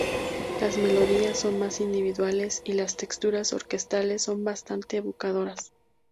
Las melodías son más individuales y las texturas orquestales son bastante evocadoras.